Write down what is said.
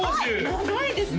長いですね